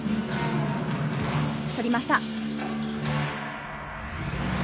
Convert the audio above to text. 取りました！